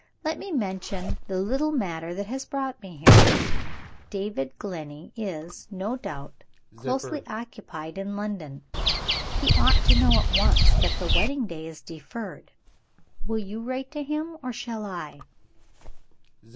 "Let me mention the little matter that has brought me here. David Glenney is, no doubt, closely occupied in London. He ought to know at once that the wedding day is deferred. Will you write to him, or shall I?"